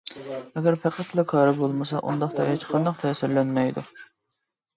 ئەگەر پەقەتلا كارى بولمىسا، ئۇنداقتا ھېچقانداق تەسىرلەنمەيدۇ.